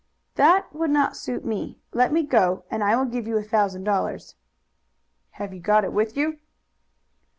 "That would not suit me. Let me go and I will give you a thousand dollars." "Have you got it with you?"